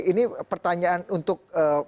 ini pertanyaan untuk